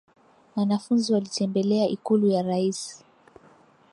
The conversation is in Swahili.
Wanafunzi walitembelea ikulu ya rais